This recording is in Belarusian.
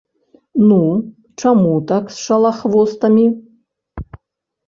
Ну, чаму так, з шалахвостамі?